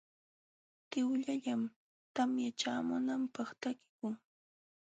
Tiwllallam tamya ćhaamunanpaq takikun.